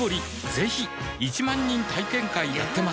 ぜひ１万人体験会やってます